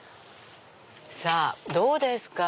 さぁどうですか？